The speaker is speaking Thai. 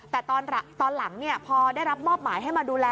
แต่ตอนหลังพอได้รับมอบหมายให้มาดูแล